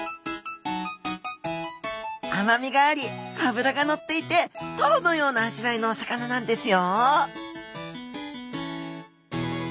甘みがあり脂が乗っていてトロのような味わいのお魚なんですよ